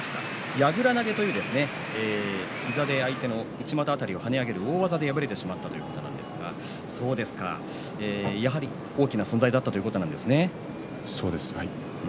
やぐら投げという膝で相手の内股辺りを跳ね上げる大技で敗れてしまったということなんですがやはり大きな存在だったということなんですね。